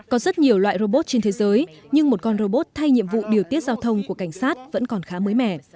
có rất nhiều loại robot trên thế giới nhưng một con robot thay nhiệm vụ điều tiết giao thông của cảnh sát vẫn còn khá mới mẻ